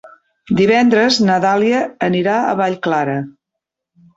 Divendres na Dàlia anirà a Vallclara.